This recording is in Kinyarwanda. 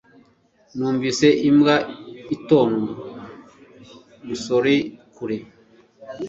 Numvise imbwa itonwa musorea kure